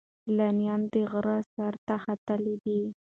سیلانیان د غره سر ته ختلي دي.